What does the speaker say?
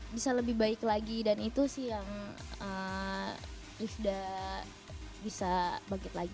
bisa lebih baik lagi dan itu sih yang ifda bisa bangkit lagi